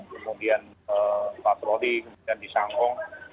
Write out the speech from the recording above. kemudian patroli dan disangkong